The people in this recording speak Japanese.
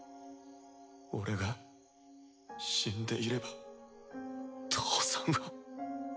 俺が死んでいれば父さんは。